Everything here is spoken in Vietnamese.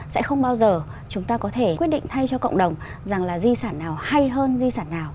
sẽ không bao giờ chúng ta có thể quyết định thay cho cộng đồng rằng là di sản nào hay hơn di sản nào